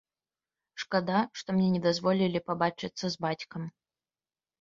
Шкада, што мне не дазволілі пабачыцца з бацькам.